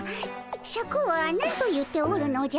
シャクは何と言っておるのじゃ？